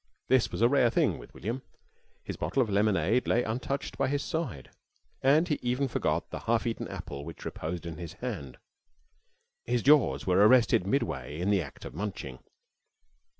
This was a rare thing with William. His bottle of lemonade lay untouched by his side, and he even forgot the half eaten apple which reposed in his hand. His jaws were arrested midway in the act of munching.